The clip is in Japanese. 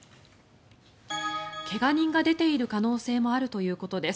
怪我人が出ている可能性もあるということです。